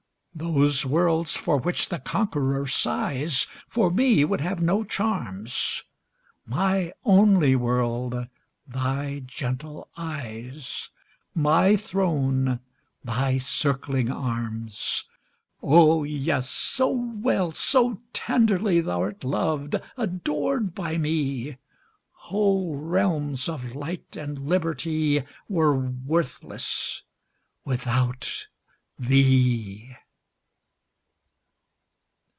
Those worlds for which the conqueror sighs For me would have no charms; My only world thy gentle eyes My throne thy circling arms! Oh, yes, so well, so tenderly Thou'rt loved, adored by me, Whole realms of light and liberty Were worthless without thee.